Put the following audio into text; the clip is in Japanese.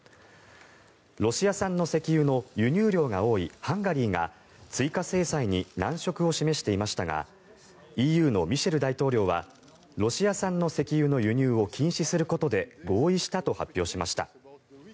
ロシア産の石油の輸入量が多いハンガリーが追加制裁に難色を示していましたがＥＵのミシェル大統領はロシア産の石油の輸入を禁止することで合意したと発表しました。